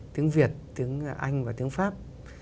tiếng việt tiếng anh và tiếng pháp